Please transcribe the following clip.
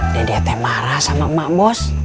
dedeh teh marah sama emak bos